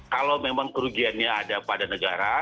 kalau memang kerugiannya ada pada negara